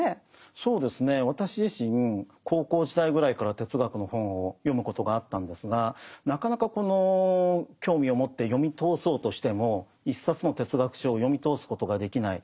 そうですね私自身高校時代ぐらいから哲学の本を読むことがあったんですがなかなかこの興味を持って読み通そうとしても一冊の哲学書を読み通すことができない。